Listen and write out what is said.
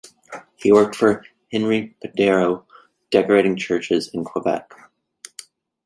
He worked for Henri Perdriau, decorating churches in Quebec.